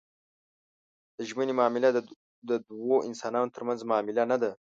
د ژمنې معامله د دوو انسانانو ترمنځ معامله نه ده.